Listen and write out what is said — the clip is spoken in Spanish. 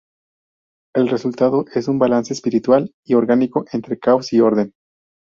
El resultado es un balance espiritual y orgánico entre caos y orden.